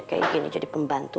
jadi aku bisa berjaya jadi pembantu